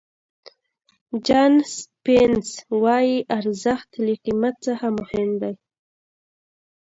جان سپینس وایي ارزښت له قیمت څخه مهم دی.